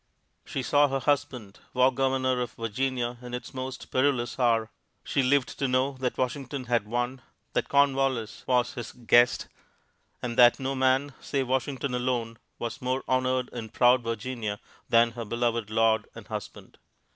She saw her husband War Governor of Virginia in its most perilous hour; she lived to know that Washington had won; that Cornwallis was his "guest," and that no man, save Washington alone, was more honored in proud Virginia than her beloved lord and husband.